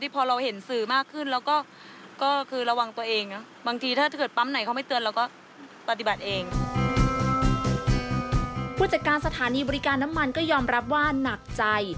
ผู้จัดการสถานีบริการน้ำมันก็ยอมรับว่าหนักใจ